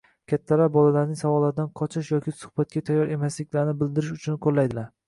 kattalar bolalarning savollaridan qochish yoki suhbatga tayyor emasliklarini bildirish uchun qo‘llaydilar.